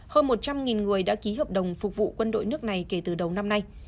hơn một trăm linh người đã ký hợp đồng phục vụ quân đội nước này kể từ đầu năm nay